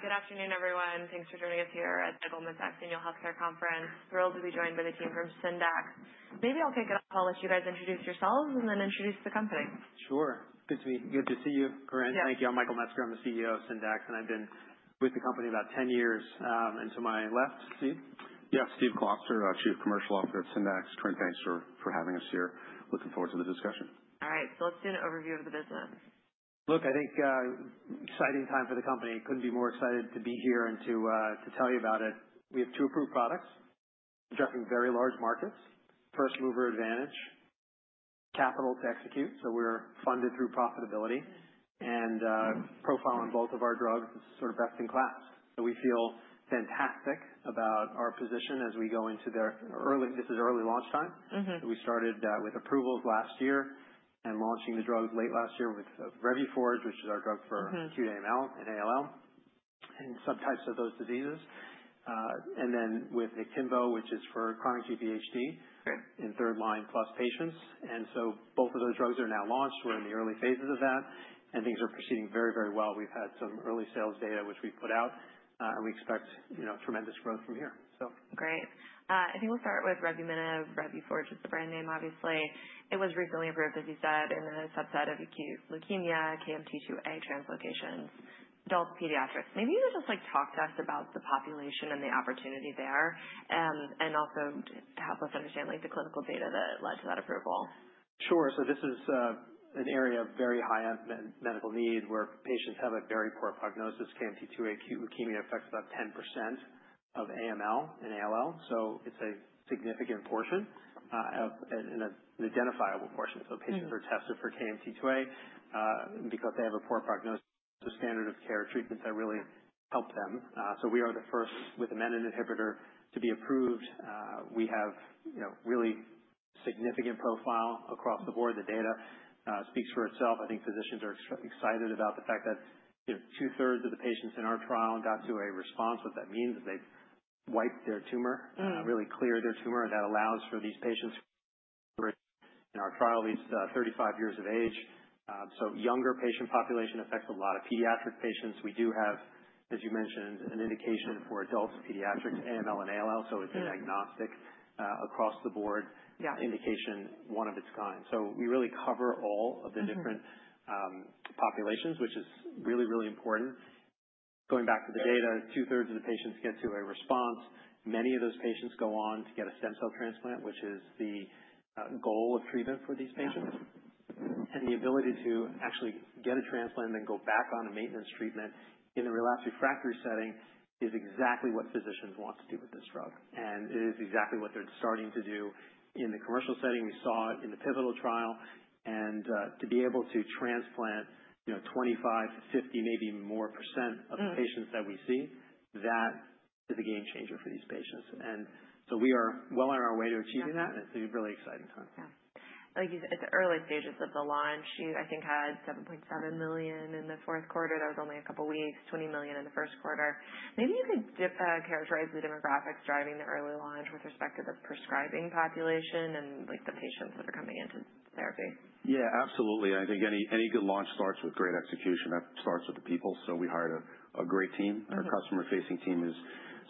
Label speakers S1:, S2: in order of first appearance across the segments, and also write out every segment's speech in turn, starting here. S1: Good afternoon, everyone. Thanks for joining us here at the Goldman Sachs Annual Healthcare Conference. Thrilled to be joined by the team from Syndax. Maybe I'll kick it off. I'll let you guys introduce yourselves and then introduce the company.
S2: Sure. Good to meet you.
S3: Good to see you, Corinne. Thank you. I'm Michael Metzger. I'm the CEO of Syndax, and I've been with the company about 10 years. To my left, Steve?
S2: Yeah, Steve Kloster, Chief Commercial Officer at Syndax. Corinne, thanks for having us here. Looking forward to the discussion.
S1: All right. So let's do an overview of the business.
S3: Look, I think exciting time for the company. Couldn't be more excited to be here and to tell you about it. We have two approved products addressing very large markets: first mover advantage, capital to execute. So we're funded through profitability and profiling both of our drugs. It's sort of best in class. We feel fantastic about our position as we go into their early—this is early launch time. We started with approvals last year and launching the drug late last year with Revuforj, which is our drug for acute AML and ALL and subtypes of those diseases. Then with Niktimvo, which is for chronic GVHD in third line plus patients. Both of those drugs are now launched. We're in the early phases of that, and things are proceeding very, very well. We've had some early sales data, which we've put out, and we expect tremendous growth from here.
S1: Great. I think we'll start with revumenib. Revuforj is the brand name, obviously. It was recently approved, as you said, in a subset of acute leukemia, KMT2A translocations, adult pediatrics. Maybe you could just talk to us about the population and the opportunity there and also help us understand the clinical data that led to that approval.
S3: Sure. This is an area of very high medical need where patients have a very poor prognosis. KMT2A acute leukemia affects about 10% of AML and ALL. It is a significant portion and an identifiable portion. Patients are tested for KMT2A because they have a poor prognosis. The standard of care treatments that really help them. We are the first with a menin inhibitor to be approved. We have a really significant profile across the board. The data speaks for itself. I think physicians are excited about the fact that two-thirds of the patients in our trial got to a response. What that means is they have wiped their tumor, really cleared their tumor. That allows for these patients in our trial, at least 35 years of age. A younger patient population affects a lot of pediatric patients. We do have, as you mentioned, an indication for adults, pediatrics, AML, and ALL. It is an agnostic across the board indication, one of its kind. We really cover all of the different populations, which is really, really important. Going back to the data, two-thirds of the patients get to a response. Many of those patients go on to get a stem cell transplant, which is the goal of treatment for these patients. The ability to actually get a transplant and then go back on a maintenance treatment in a relapse refractory setting is exactly what physicians want to do with this drug. It is exactly what they are starting to do in the commercial setting. We saw it in the pivotal trial. To be able to transplant 25%-50%, maybe more, of the patients that we see, that is a game changer for these patients. We are well on our way to achieving that, and it's a really exciting time.
S1: Yeah. Like you said, it's early stages of the launch. You, I think, had $7.7 million in the fourth quarter. That was only a couple of weeks. $20 million in the first quarter. Maybe you could characterize the demographics driving the early launch with respect to the prescribing population and the patients that are coming into therapy.
S2: Yeah, absolutely. I think any good launch starts with great execution. That starts with the people. So we hired a great team. Our customer-facing team is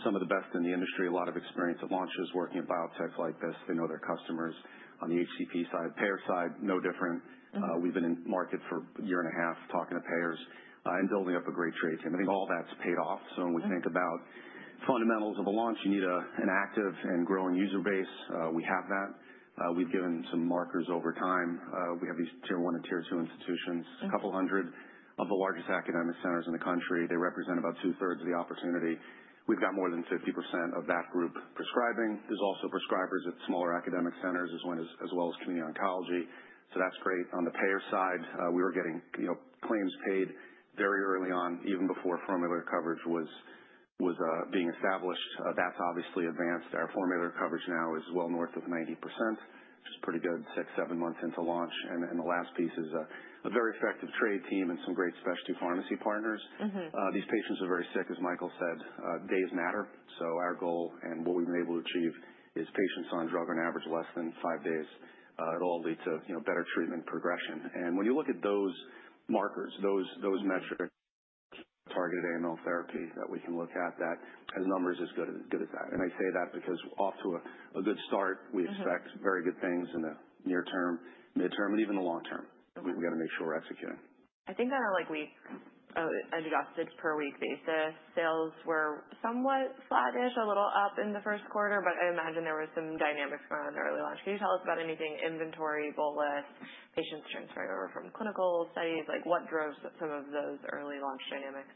S2: some of the best in the industry. A lot of experience at launches working in biotech like this. They know their customers on the HCP side. Payer side, no different. We've been in market for a year and a half, talking to payers and building up a great trade team. I think all that's paid off. When we think about fundamentals of a launch, you need an active and growing user base. We have that. We've given some markers over time. We have these tier one and tier two institutions, a couple hundred of the largest academic centers in the country. They represent about two-thirds of the opportunity. We've got more than 50% of that group prescribing. are also prescribers at smaller academic centers as well as community oncology. That is great. On the payer side, we were getting claims paid very early on, even before formulary coverage was being established. That is obviously advanced. Our formulary coverage now is well north of 90%, which is pretty good, six or seven months into launch. The last piece is a very effective trade team and some great specialty pharmacy partners. These patients are very sick, as Michael said. Days matter. Our goal and what we have been able to achieve is patients on drug on average in less than five days. It will all lead to better treatment progression. When you look at those markers, those metrics, targeted AML therapy that we can look at, that has numbers as good as that. I say that because off to a good start, we expect very good things in the near term, midterm, and even the long term. We've got to make sure we're executing.
S1: I think on a weekly adjusted per week basis, sales were somewhat sluggish, a little up in the first quarter, but I imagine there were some dynamics going on in the early launch. Can you tell us about anything inventory, bolus, patients transferring over from clinical studies? What drove some of those early launch dynamics?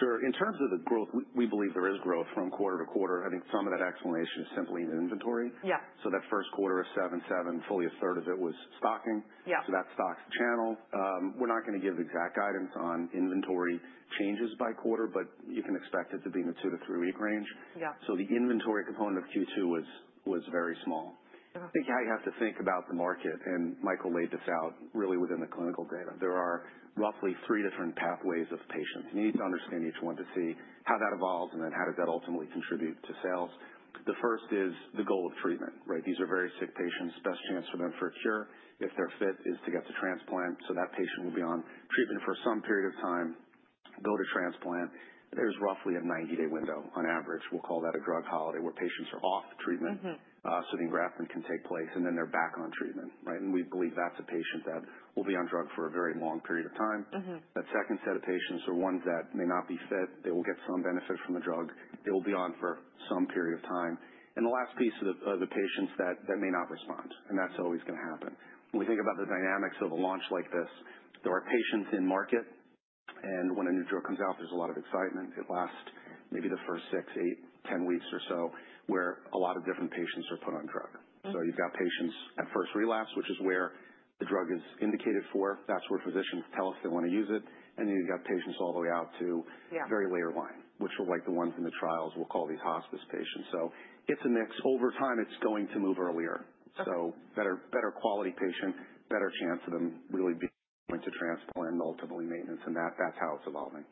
S2: Sure. In terms of the growth, we believe there is growth from quarter to quarter. I think some of that explanation is simply in inventory. That first quarter of '77, fully a third of it was stocking. That stocks channel. We're not going to give exact guidance on inventory changes by quarter, but you can expect it to be in the two- to three-week range. The inventory component of Q2 was very small. I think how you have to think about the market, and Michael laid this out really within the clinical data. There are roughly three different pathways of patients. You need to understand each one to see how that evolves and then how does that ultimately contribute to sales. The first is the goal of treatment, right? These are very sick patients. Best chance for them for a cure if their fit is to get the transplant. That patient will be on treatment for some period of time, build a transplant. There is roughly a 90-day window on average. We will call that a drug holiday where patients are off treatment, so the engraftment can take place, and then they are back on treatment, right? We believe that is a patient that will be on drug for a very long period of time. That second set of patients are ones that may not be fit. They will get some benefit from the drug. They will be on for some period of time. The last piece of the patients may not respond. That is always going to happen. When we think about the dynamics of a launch like this, there are patients in market, and when a new drug comes out, there's a lot of excitement. It lasts maybe the first six, eight, ten weeks or so where a lot of different patients are put on drug. You've got patients at first relapse, which is where the drug is indicated for. That's where physicians tell us they want to use it. You've got patients all the way out to very later line, which are like the ones in the trials. We'll call these hospice patients. It's a mix. Over time, it's going to move earlier. Better quality patient, better chance of them really being going to transplant and ultimately maintenance. That's how it's evolving.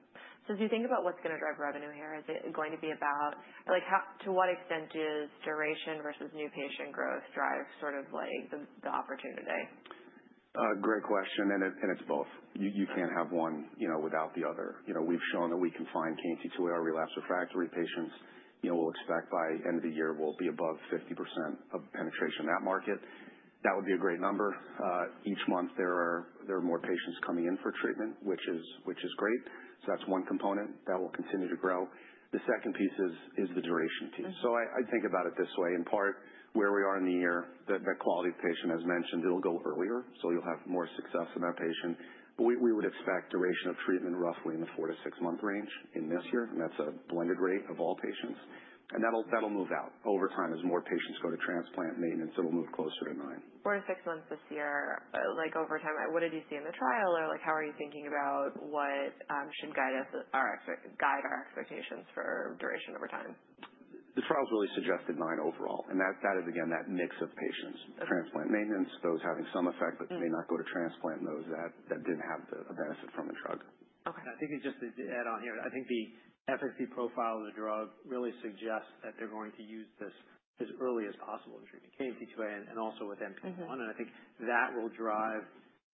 S1: As you think about what's going to drive revenue here, is it going to be about to what extent does duration versus new patient growth drive sort of the opportunity?
S2: Great question. And it's both. You can't have one without the other. We've shown that we can find KMT2A or relapse refractory patients. We'll expect by end of the year, we'll be above 50% of penetration in that market. That would be a great number. Each month, there are more patients coming in for treatment, which is great. So that's one component that will continue to grow. The second piece is the duration piece. I think about it this way. In part, where we are in the year, that quality patient, as mentioned, it'll go earlier. You'll have more success in that patient. We would expect duration of treatment roughly in the four- to six-month range in this year. That's a blended rate of all patients. That'll move out over time as more patients go to transplant maintenance. It'll move closer to nine.
S1: Four to six months this year, over time, what did you see in the trial? How are you thinking about what should guide our expectations for duration over time?
S2: The trials really suggested nine overall. That is, again, that mix of patients: transplant maintenance, those having some effect but may not go to transplant, and those that did not have a benefit from a drug.
S3: I think just to add on here, I think the efficacy profile of the drug really suggests that they're going to use this as early as possible in treatment, KMT2A and also with NPM1. I think that will drive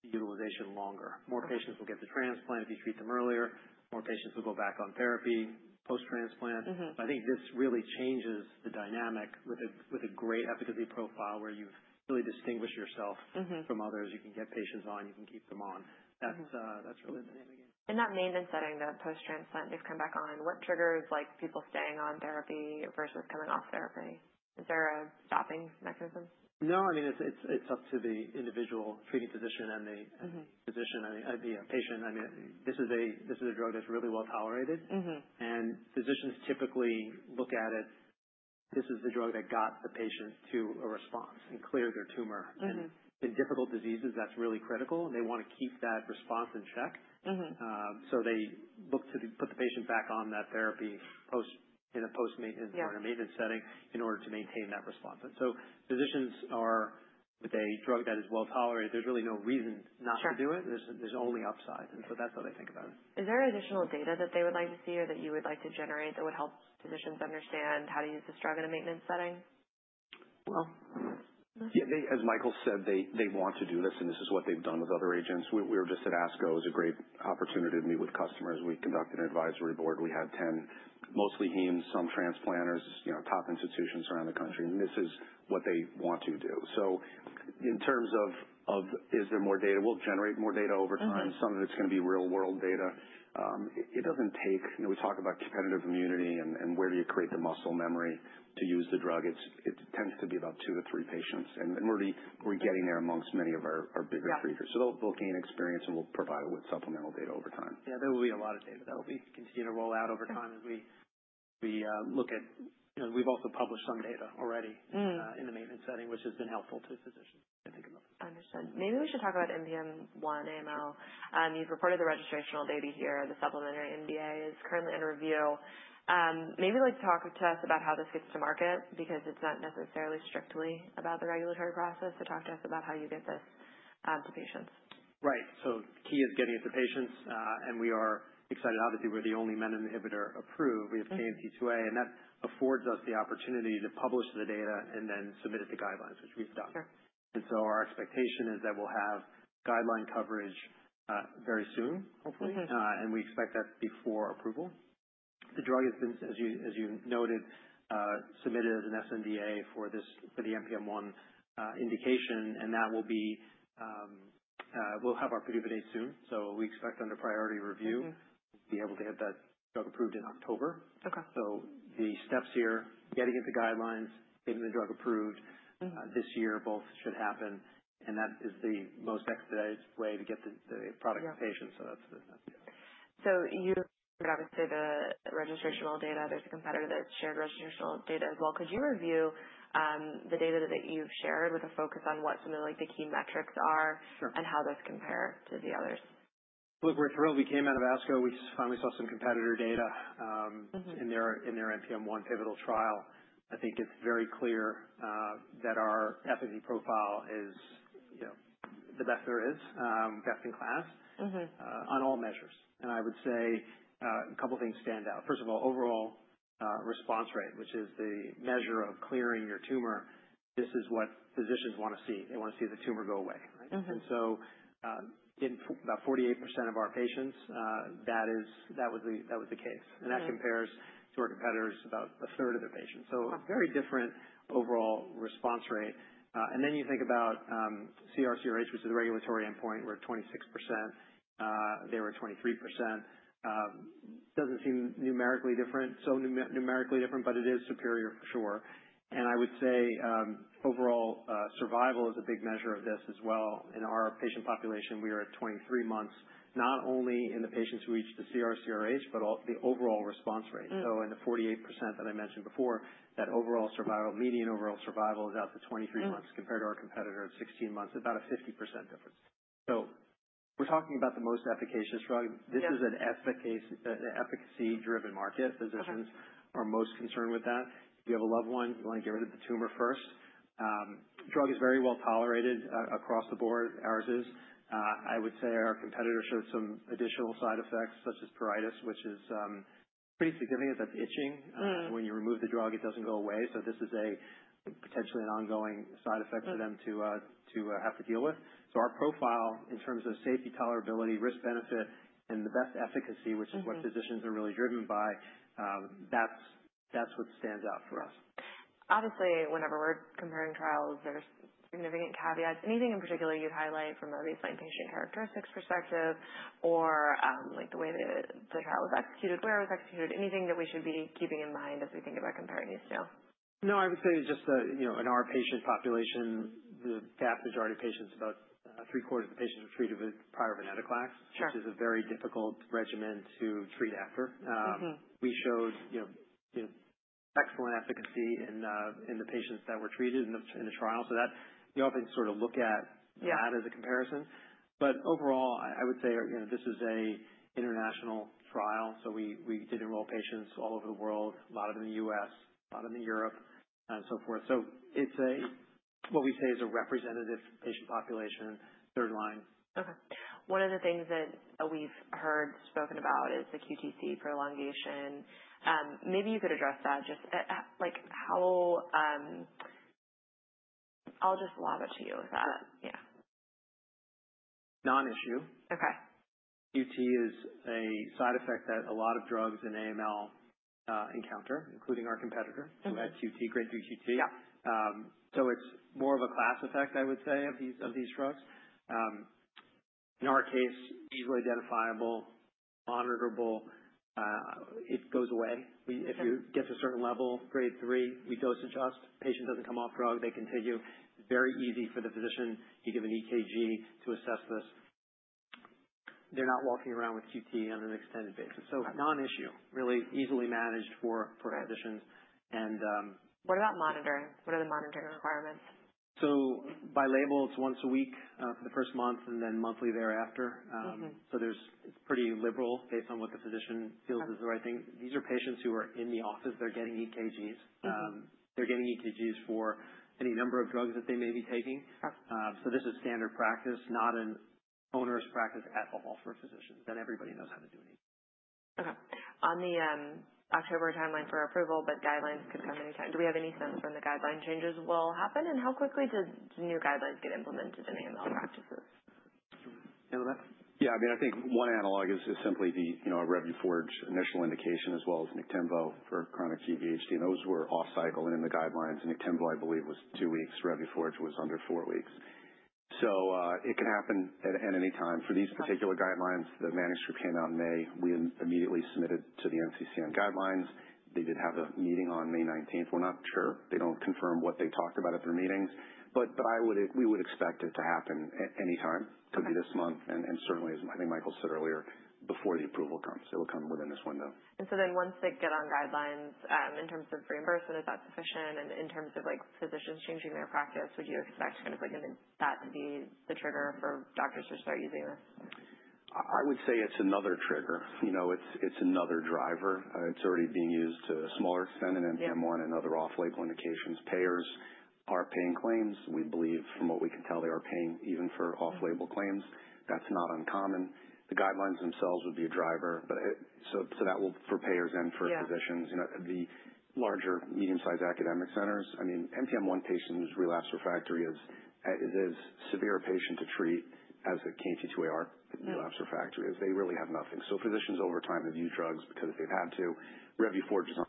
S3: utilization longer. More patients will get the transplant if you treat them earlier. More patients will go back on therapy post-transplant. I think this really changes the dynamic with a great efficacy profile where you've really distinguished yourself from others. You can get patients on. You can keep them on. That's really the dynamic.
S1: In that maintenance setting, the post-transplant, they've come back on. What triggers people staying on therapy versus coming off therapy? Is there a stopping mechanism?
S3: No, I mean, it's up to the individual treating physician and the physician, the patient. I mean, this is a drug that's really well tolerated. And physicians typically look at it. This is the drug that got the patient to a response and cleared their tumor. In difficult diseases, that's really critical. They want to keep that response in check. They look to put the patient back on that therapy in a post-maintenance or in a maintenance setting in order to maintain that response. With a drug that is well tolerated, there's really no reason not to do it. There's only upside. That's how they think about it.
S1: Is there additional data that they would like to see or that you would like to generate that would help physicians understand how to use this drug in a maintenance setting?
S3: As Michael said, they want to do this, and this is what they've done with other agents. We were just at ASCO. It was a great opportunity to meet with customers. We conducted an advisory board. We had 10, mostly Heme, some transplanters, top institutions around the country. This is what they want to do. In terms of, is there more data? We'll generate more data over time. Some of it is going to be real-world data. It does not take—we talk about competitive immunity and where you create the muscle memory to use the drug. It tends to be about two to three patients. We are getting there amongst many of our bigger treaters. They will gain experience, and we will provide it with supplemental data over time.
S2: Yeah, there will be a lot of data that'll be continued to roll out over time as we look at—we've also published some data already in the maintenance setting, which has been helpful to physicians, I think.
S1: Understood. Maybe we should talk about NPM1 AML. You've reported the registrational data here. The supplementary sNDA is currently in review. Maybe you'd like to talk to us about how this gets to market because it's not necessarily strictly about the regulatory process. Talk to us about how you get this to patients.
S3: Right. The key is getting it to patients. We are excited. Obviously, we're the only menin inhibitor approved. We have KMT2A. That affords us the opportunity to publish the data and then submit it to guidelines, which we've done. Our expectation is that we'll have guideline coverage very soon, hopefully. We expect that before approval. The drug has been, as you noted, submitted as an sNDA for the NPM1 indication. We'll have our preliminary soon. We expect under priority review, we'll be able to get that drug approved in October. The steps here, getting it to guidelines, getting the drug approved this year, both should happen. That is the most expedited way to get the product to patients. That's the—
S1: You've obviously the registrational data. There's a competitor that shared registrational data as well. Could you review the data that you've shared with a focus on what some of the key metrics are and how those compare to the others?
S3: Look, we're thrilled. We came out of ASCO. We finally saw some competitor data in their NPM1 pivotal trial. I think it's very clear that our efficacy profile is the best there is, best in class on all measures. I would say a couple of things stand out. First of all, overall response rate, which is the measure of clearing your tumor. This is what physicians want to see. They want to see the tumor go away, right? In about 48% of our patients, that was the case. That compares to our competitors, about a third of their patients. Very different overall response rate. You think about CR/CRh, which is a regulatory endpoint. We're at 26%. They were at 23%. Doesn't seem numerically different, so numerically different, but it is superior for sure. Overall survival is a big measure of this as well. In our patient population, we are at 23 months, not only in the patients who reach the CR/CRh, but the overall response rate. In the 48% that I mentioned before, that overall survival, median overall survival is out to 23 months compared to our competitor at 16 months. It is about a 50% difference. We are talking about the most efficacious drug. This is an efficacy-driven market. Physicians are most concerned with that. If you have a loved one, you want to get rid of the tumor first. Drug is very well tolerated across the board. Ours is. I would say our competitor showed some additional side effects such as pruritus, which is pretty significant. That is itching. When you remove the drug, it does not go away. This is potentially an ongoing side effect for them to have to deal with. Our profile in terms of safety, tolerability, risk-benefit, and the best efficacy, which is what physicians are really driven by, that's what stands out for us.
S1: Obviously, whenever we're comparing trials, there's significant caveats. Anything in particular you'd highlight from a baseline patient characteristics perspective or the way the trial was executed, where it was executed? Anything that we should be keeping in mind as we think about comparing these two?
S3: No, I would say just in our patient population, the vast majority of patients, about three-quarters of the patients were treated with prior venetoclax, which is a very difficult regimen to treat after. We showed excellent efficacy in the patients that were treated in the trial. We often sort of look at that as a comparison. Overall, I would say this is an international trial. We did enroll patients all over the world, a lot of them in the U.S., a lot of them in Europe, and so forth. It is what we say is a representative patient population, third line.
S1: Okay. One of the things that we've heard spoken about is the QTc prolongation. Maybe you could address that. I'll just lob it to you if that—yeah.
S3: Non-issue. QT is a side effect that a lot of drugs in AML encounter, including our competitor who had QT, Grade 3 QT. It is more of a class effect, I would say, of these drugs. In our case, easily identifiable, monitorable. It goes away. If it gets a certain level, Grade 3, we dose adjust. Patient doesn't come off drug. They continue. Very easy for the physician. You give an EKG to assess this. They're not walking around with QT on an extended basis. Non-issue, really easily managed for physicians. And.
S1: What about monitoring? What are the monitoring requirements?
S3: By label, it's once a week for the first month and then monthly thereafter. It's pretty liberal based on what the physician feels is the right thing. These are patients who are in the office. They're getting EKGs. They're getting EKGs for any number of drugs that they may be taking. This is standard practice, not an onerous practice at all for physicians. Everybody knows how to do an EKG.
S1: Okay. On the October timeline for approval, but guidelines could come anytime. Do we have any sense when the guideline changes will happen? How quickly did new guidelines get implemented in AML practices?
S3: Yeah. I mean, I think one analog is simply the Revuforj initial indication as well as Niktimvo for chronic GVHD. And those were off-cycle and in the guidelines. Niktimvo, I believe, was two weeks. Revuforj was under four weeks. It can happen at any time. For these particular guidelines, the manuscript came out in May. We immediately submitted to the NCCN guidelines. They did have a meeting on May 19th. We're not sure. They don't confirm what they talked about at their meetings. We would expect it to happen anytime. Could be this month. Certainly, as I think Michael said earlier, before the approval comes. It will come within this window.
S1: Once they get on guidelines in terms of reimbursement, is that sufficient? In terms of physicians changing their practice, would you expect kind of that to be the trigger for doctors to start using this?
S2: I would say it's another trigger. It's another driver. It's already being used to a smaller extent in NPM1 and other off-label indications. Payers are paying claims. We believe, from what we can tell, they are paying even for off-label claims. That's not uncommon. The guidelines themselves would be a driver. That will for payers and for physicians. The larger medium-sized academic centers, I mean, NPM1 patients relapse refractory is as severe a patient to treat as a KMT2A-rearranged relapse refractory is. They really have nothing. Physicians over time have used drugs because they've had to. Revuforj is on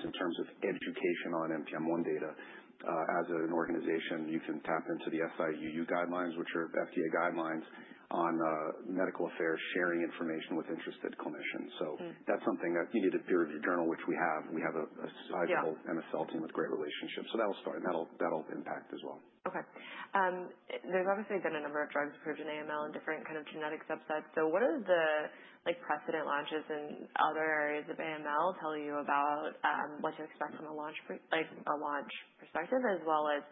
S2: in terms of education on NPM1 data. As an organization, you can tap into the SIUU guidelines, which are FDA guidelines on medical affairs sharing information with interested clinicians. That's something that you need a peer-reviewed journal, which we have. We have a sizable MSL team with great relationships. That'll start. That'll impact as well.
S1: Okay. There's obviously been a number of drugs approved in AML in different kind of genetic subsets. What do the precedent launches in other areas of AML tell you about what to expect from a launch perspective as well as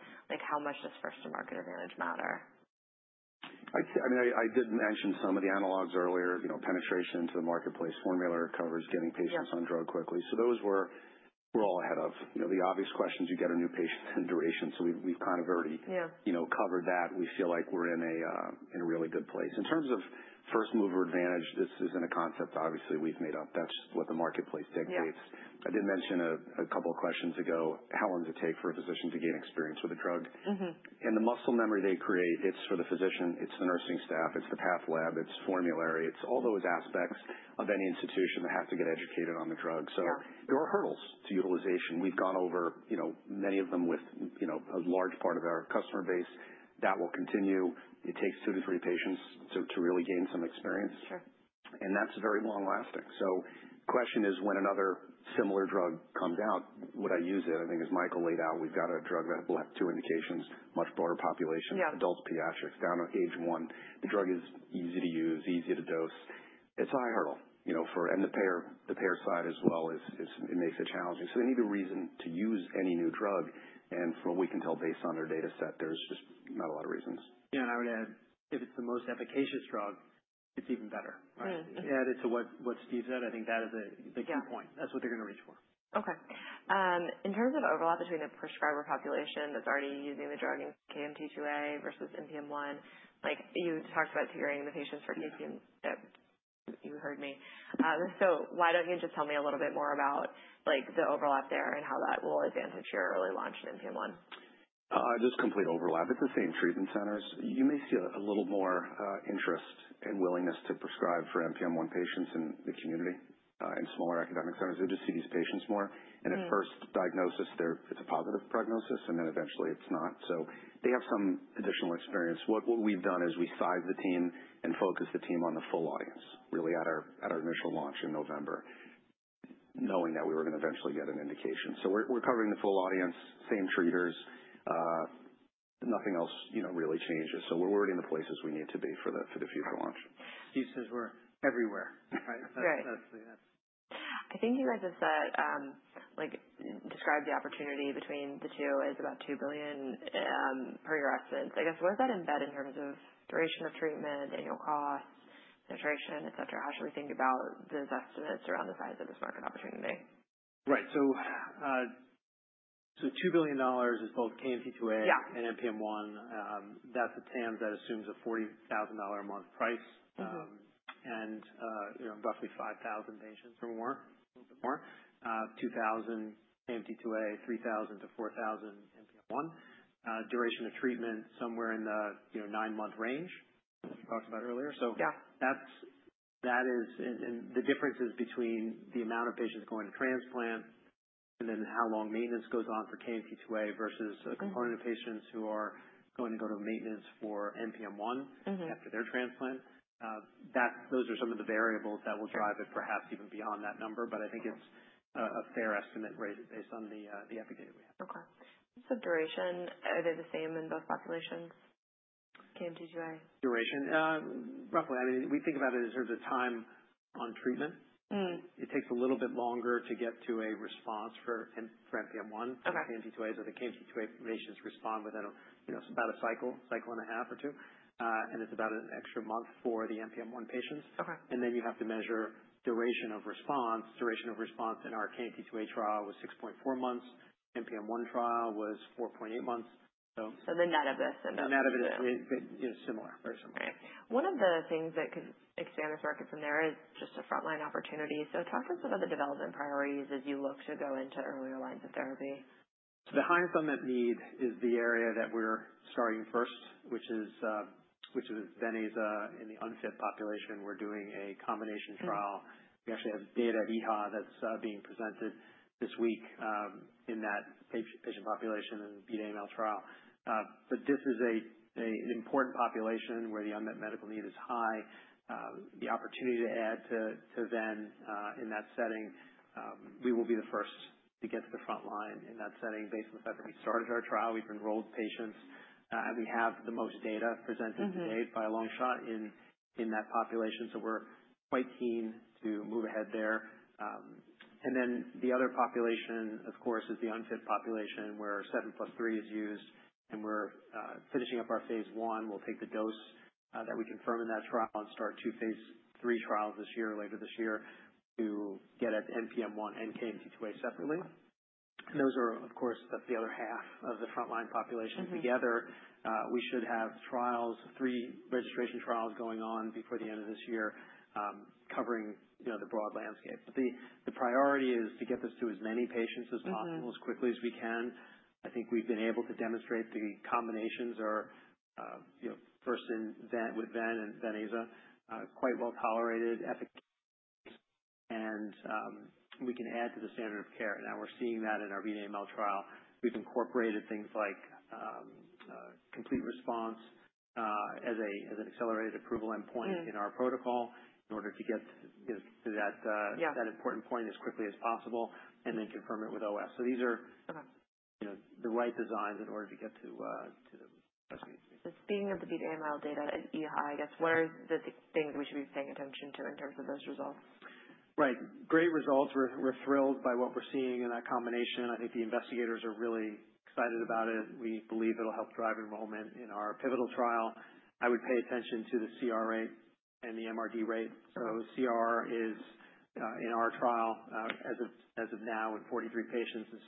S1: how much does first-to-market advantage matter?
S2: I mean, I did mention some of the analogs earlier. Penetration into the marketplace, formulary coverage, getting patients on drug quickly. Those were all ahead of the obvious questions. You get a new patient and duration. We have kind of already covered that. We feel like we are in a really good place. In terms of first-mover advantage, this is not a concept obviously we have made up. That is what the marketplace dictates. I did mention a couple of questions ago. How long does it take for a physician to gain experience with a drug? The muscle memory they create, it is for the physician. It is the nursing staff. It is the path lab. It is formulary. It is all those aspects of any institution that have to get educated on the drug. There are hurdles to utilization. We have gone over many of them with a large part of our customer base. That will continue. It takes two to three patients to really gain some experience. That is very long-lasting. The question is, when another similar drug comes out, would I use it? I think as Michael laid out, we have got a drug that will have two indications, much broader population, adults, pediatrics, down to age one. The drug is easy to use, easy to dose. It is a high hurdle. The payer side as well makes it challenging. They need a reason to use any new drug. From what we can tell based on their data set, there is just not a lot of reasons.
S3: Yeah. I would add, if it's the most efficacious drug, it's even better, right? Added to what Steve said, I think that is the key point. That is what they're going to reach for.
S1: Okay. In terms of overlap between the prescriber population that's already using the drug in KMT2A versus NPM1, you talked about triggering the patients for KPM—you heard me. So why don't you just tell me a little bit more about the overlap there and how that will advantage your early launch in NPM1?
S2: Just complete overlap. It's the same treatment centers. You may see a little more interest and willingness to prescribe for NPM1 patients in the community and smaller academic centers. They just see these patients more. At first diagnosis, it's a positive prognosis. Eventually, it's not. They have some additional experience. What we've done is we sized the team and focused the team on the full audience, really at our initial launch in November, knowing that we were going to eventually get an indication. We're covering the full audience, same treaters. Nothing else really changes. We're already in the places we need to be for the future launch.
S3: Steve says we're everywhere, right?
S1: Right. I think you guys have said described the opportunity between the two as about $2 billion per your estimates. I guess, what does that embed in terms of duration of treatment, annual costs, penetration, etc.? How should we think about those estimates around the size of this market opportunity?
S3: Right. So $2 billion is both KMT2A and NPM1. That's a TAM that assumes a $40,000 a month price and roughly 5,000 patients or more, a little bit more. 2,000 KMT2A, 3,000-4,000 NPM1. Duration of treatment somewhere in the nine-month range we talked about earlier. That is the differences between the amount of patients going to transplant and then how long maintenance goes on for KMT2A versus a component of patients who are going to go to maintenance for NPM1 after their transplant. Those are some of the variables that will drive it perhaps even beyond that number. I think it's a fair estimate based on the epidemic we have.
S1: Okay. So duration, are they the same in both populations, KMT2A?
S3: Duration, roughly. I mean, we think about it in terms of time on treatment. It takes a little bit longer to get to a response for NPM1 than KMT2A. The KMT2A patients respond within about a cycle, cycle and a half or two. It's about an extra month for the NPM1 patients. Then you have to measure duration of response. Duration of response in our KMT2A trial was 6.4 months. NPM1 trial was 4.8 months.
S1: The net of this and the.
S3: The net of it is similar, very similar.
S1: Right. One of the things that could expand this market from there is just a frontline opportunity. Talk to us about the development priorities as you look to go into earlier lines of therapy.
S3: The highest unmet need is the area that we're starting first, which is ven/aza in the unfit population. We're doing a combination trial. We actually have data at EHA that's being presented this week in that patient population and Beat AML trial. This is an important population where the unmet medical need is high. The opportunity to add to Ven in that setting, we will be the first to get to the front line in that setting based on the fact that we started our trial. We've enrolled patients. We have the most data presented to date by a long shot in that population. We're quite keen to move ahead there. The other population, of course, is the unfit population where 7+3 is used. We're finishing up our phase one. We'll take the dose that we confirm in that trial and start two phase III trials this year or later this year to get at NPM1 and KMT2A separately. Those are, of course, that's the other half of the frontline population together. We should have three registration trials going on before the end of this year covering the broad landscape. The priority is to get this to as many patients as possible as quickly as we can. I think we've been able to demonstrate the combinations are, first with ven/aza, quite well tolerated, efficacious, and we can add to the standard of care. Now we're seeing that in our Beat AML trial. We've incorporated things like complete response as an accelerated approval endpoint in our protocol in order to get to that important point as quickly as possible and then confirm it with OS. These are the right designs in order to get to the best needs.
S1: Speaking of the Beat AML data at EHA, I guess, what are the things we should be paying attention to in terms of those results?
S3: Right. Great results. We're thrilled by what we're seeing in that combination. I think the investigators are really excited about it. We believe it'll help drive enrollment in our pivotal trial. I would pay attention to the CR rate and the MRD rate. So CR is, in our trial, as of now, in 43 patients, is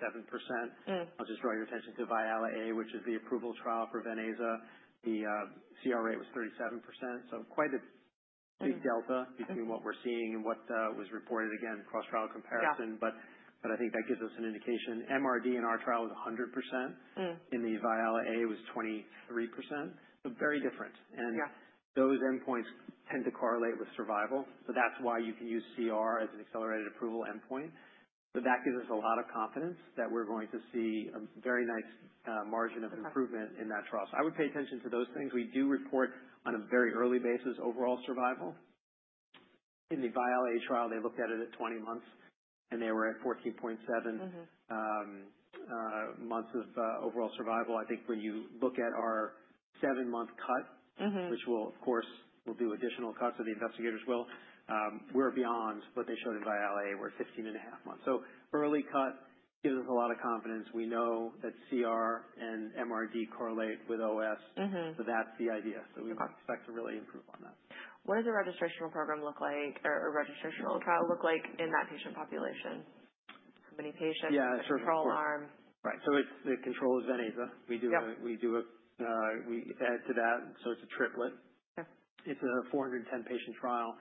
S3: 67%. I'll just draw your attention to VIALE-A, which is the approval trial for Venclexta. The CR rate was 37%. Quite a big delta between what we're seeing and what was reported, again, cross-trial comparison. I think that gives us an indication. MRD in our trial was 100%. In the VIALE-A, it was 23%. Very different. Those endpoints tend to correlate with survival. That's why you can use CR as an accelerated approval endpoint. That gives us a lot of confidence that we're going to see a very nice margin of improvement in that trial. I would pay attention to those things. We do report on a very early basis overall survival. In the VIALE-A trial, they looked at it at 20 months, and they were at 14.7 months of overall survival. I think when you look at our seven-month cut, which will, of course, we'll do additional cuts or the investigators will, we're beyond what they showed in VIALE-A, we're at 15.5 months. Early cut gives us a lot of confidence. We know that CR and MRD correlate with OS. That's the idea. We expect to really improve on that.
S1: What does a registration program look like or registrational trial look like in that patient population? How many patients? Control arm?
S3: Yeah. Right. So the ven/aza. We do a we add to that. So it's a triplet. It's a 410-patient trial.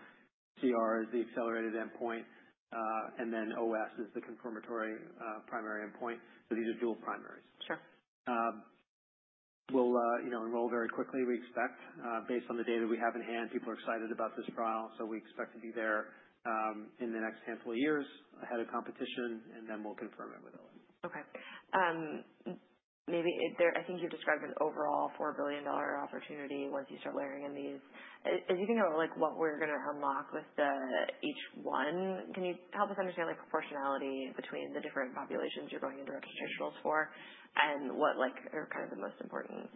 S3: CR is the accelerated endpoint. OS is the confirmatory primary endpoint. These are dual primaries. We'll enroll very quickly, we expect. Based on the data we have in hand, people are excited about this trial. We expect to be there in the next handful of years, ahead of competition, and then we'll confirm it with OS.
S1: Okay. I think you've described an overall $4 billion opportunity once you start layering in these. As you think about what we're going to unlock with each one, can you help us understand proportionality between the different populations you're going into registrationals for and what are kind of the most important?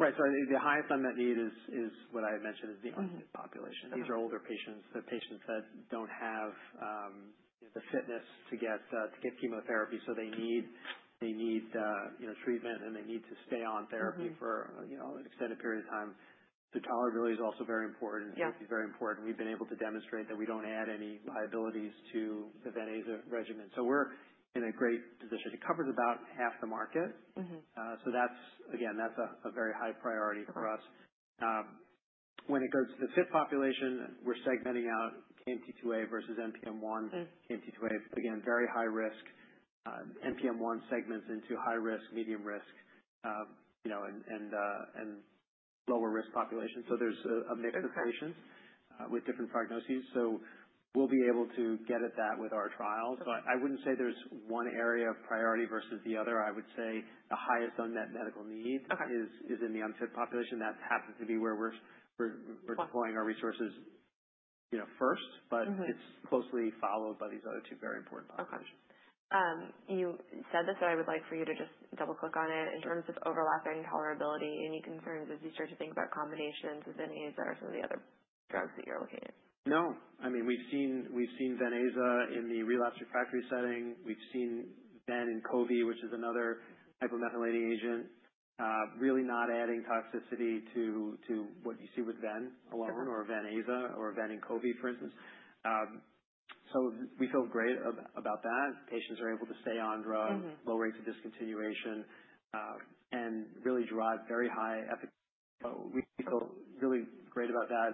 S3: Right. The highest unmet need is what I had mentioned is the unfit population. These are older patients. They're patients that don't have the fitness to get chemotherapy. They need treatment, and they need to stay on therapy for an extended period of time. The tolerability is also very important. Safety is very important. We've been able to demonstrate that we don't add any liabilities to the ven/azacitidine regimen. We're in a great position. It covers about half the market. That's a very high priority for us. When it goes to the fit population, we're segmenting out KMT2A versus NPM1. KMT2A, again, very high risk. NPM1 segments into high risk, medium risk, and lower risk population. There's a mix of patients with different prognoses. We'll be able to get at that with our trial. I wouldn't say there's one area of priority versus the other. I would say the highest unmet medical need is in the unfit population. That happens to be where we're deploying our resources first, but it's closely followed by these other two very important populations.
S1: Okay. You said this, but I would like for you to just double-click on it in terms of overlapping tolerability and your concerns as you start to think about ven/aza or some of the other drugs that you're looking at.
S3: No. I mean, ven/aza in the relapse refractory setting. We've seen ven-cobi, which is another hypomethylating agent, really not adding toxicity to what you see with ven ven/aza or ven-cobi, for instance. We feel great about that. Patients are able to stay on drug, low rates of discontinuation, and really drive very high efficacy. We feel really great about that.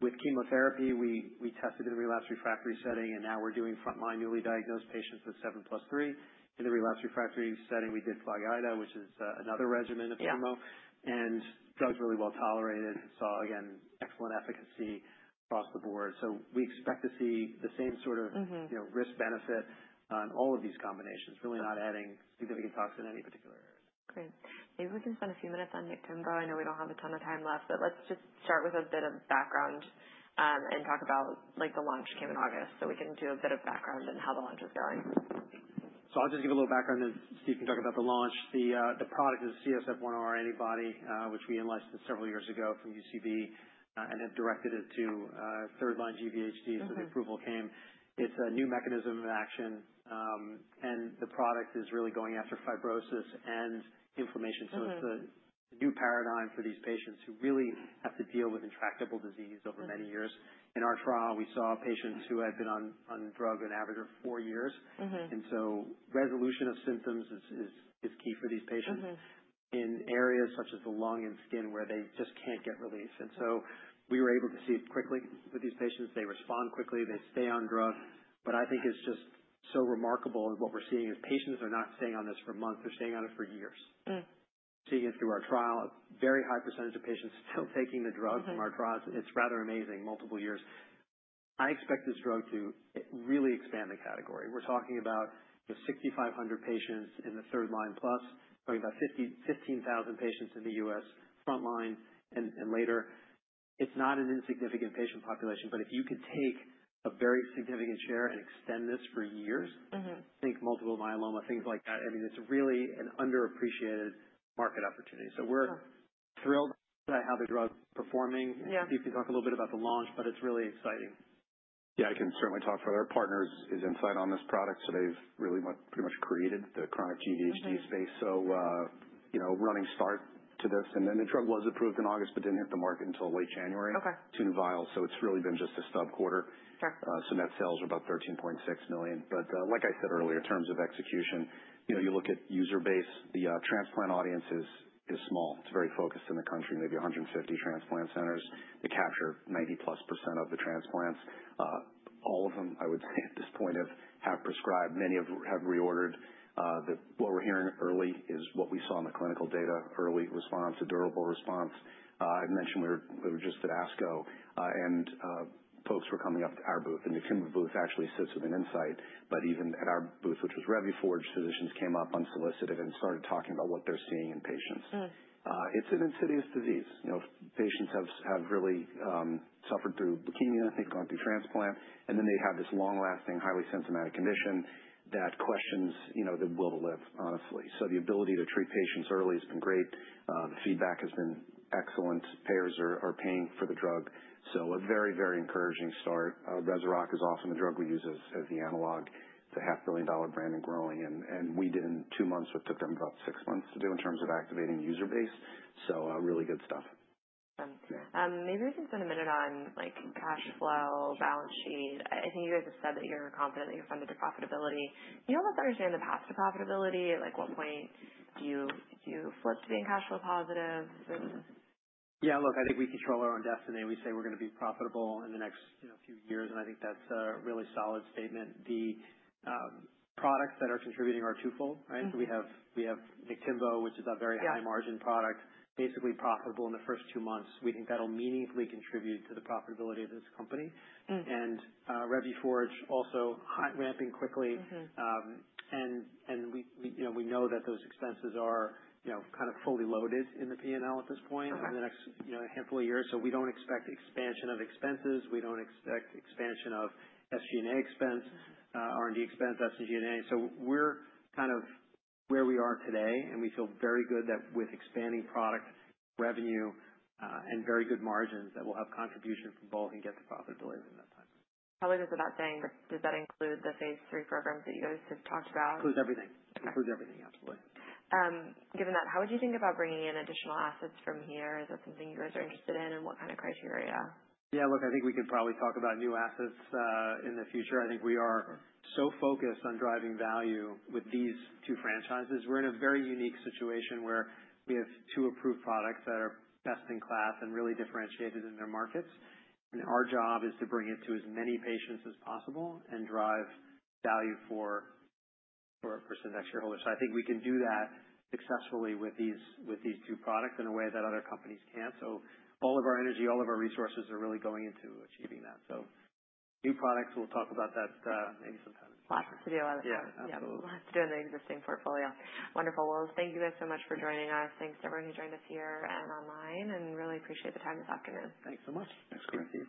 S3: With chemotherapy, we tested in the relapse refractory setting, and now we're doing frontline newly diagnosed patients with 7+3. In the relapse refractory setting, we did FLAG-IDA, which is another regimen of chemo, and drugs really well tolerated. Saw, again, excellent efficacy across the board. We expect to see the same sort of risk-benefit on all of these combinations, really not adding significant toxicity in any particular area.
S1: Great. Maybe we can spend a few minutes on Niktimvo. I know we don't have a ton of time left, but let's just start with a bit of background and talk about the launch came in August. So we can do a bit of background on how the launch is going.
S3: I'll just give a little background as Steve can talk about the launch. The product is a CSF-1R antibody, which we enlicensed several years ago from UCB and have directed it to third-line GVHDs when the approval came. It's a new mechanism of action. The product is really going after fibrosis and inflammation. It's the new paradigm for these patients who really have to deal with intractable disease over many years. In our trial, we saw patients who had been on drug an average of four years. Resolution of symptoms is key for these patients in areas such as the lung and skin where they just can't get relief. We were able to see it quickly with these patients. They respond quickly. They stay on drug. I think it's just so remarkable what we're seeing is patients are not staying on this for months. They're staying on it for years. Seeing it through our trial, a very high percentage of patients still taking the drug from our trials. It's rather amazing, multiple years. I expect this drug to really expand the category. We're talking about 6,500 patients in the third-line plus, talking about 15,000 patients in the US, frontline and later. It's not an insignificant patient population, but if you could take a very significant share and extend this for years, I think multiple myeloma, things like that, I mean, it's really an underappreciated market opportunity. We're thrilled by how the drug is performing. Steve can talk a little bit about the launch, but it's really exciting.
S2: Yeah. I can certainly talk further. Partners is Incyte on this product. So they've really pretty much created the chronic GVHD space. Running start to this. The drug was approved in August but did not hit the market until late January. Tune Vial. It has really been just a stub quarter. Net sales are about $13.6 million. Like I said earlier, in terms of execution, you look at user base, the transplant audience is small. It is very focused in the country, maybe 150 transplant centers. They capture 90+% of the transplants. All of them, I would say at this point, have prescribed. Many have reordered. What we are hearing early is what we saw in the clinical data, early response, a durable response. I mentioned we were just at ASCO, and folks were coming up to our booth. The Niktimvo booth actually sits within Incyte. Even at our booth, which was Revuforj, physicians came up unsolicited and started talking about what they're seeing in patients. It's an insidious disease. Patients have really suffered through leukemia. They've gone through transplant. And then they have this long-lasting, highly symptomatic condition that questions their will to live, honestly. The ability to treat patients early has been great. The feedback has been excellent. Payers are paying for the drug. A very, very encouraging start. Rezurock is often the drug we use as the analog. It's a $500 million brand and growing. We did in two months what took them about six months to do in terms of activating user base. Really good stuff.
S1: Maybe we can spend a minute on cash flow, balance sheet. I think you guys have said that you're confident that you're funded to profitability. Can you help us understand the path to profitability? At what point do you flip to being cash flow positive?
S3: Yeah. Look, I think we control our own destiny. We say we're going to be profitable in the next few years. I think that's a really solid statement. The products that are contributing are twofold, right? We have Niktimvo, which is a very high-margin product, basically profitable in the first two months. We think that'll meaningfully contribute to the profitability of this company. And Revuforj also, ramping quickly. We know that those expenses are kind of fully loaded in the P&L at this point in the next handful of years. We don't expect expansion of expenses. We don't expect expansion of SG&A expense, R&D expense, SG&A. We're kind of where we are today. We feel very good that with expanding product revenue and very good margins that we'll have contribution from both and get to profitability within that time.
S1: How is this about saying, does that include the phase three programs that you guys have talked about?
S3: Includes everything, absolutely.
S1: Given that, how would you think about bringing in additional assets from here? Is that something you guys are interested in? What kind of criteria?
S3: Yeah. Look, I think we could probably talk about new assets in the future. I think we are so focused on driving value with these two franchises. We are in a very unique situation where we have two approved products that are best in class and really differentiated in their markets. Our job is to bring it to as many patients as possible and drive value for our percentage shareholders. I think we can do that successfully with these two products in a way that other companies cannot. All of our energy, all of our resources are really going into achieving that. New products, we will talk about that maybe sometime.
S1: Lots to do on the platform.
S3: Yeah. Absolutely.
S1: Lots to do on the existing portfolio. Wonderful. Thank you guys so much for joining us. Thanks to everyone who joined us here and online. I really appreciate the time this afternoon.
S3: Thanks so much. Thanks, Chris.